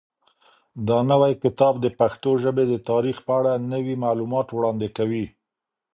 دا نوی کتاب د پښتو ژبې د تاریخ په اړه نوي معلومات وړاندې کوي.